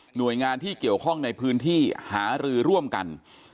หน่วยงานที่เกี่ยวข้องในพื้นที่หารือร่วมกัน